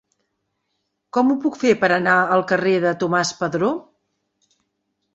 Com ho puc fer per anar al carrer de Tomàs Padró?